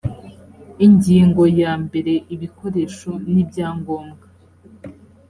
ingingo yambere ibikoresho n ibyangombwa